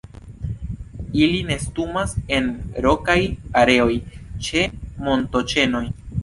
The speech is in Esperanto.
Ili nestumas en rokaj areoj ĉe montoĉenoj.